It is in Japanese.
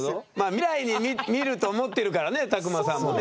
未来に見ると思ってるからね卓馬さんもね。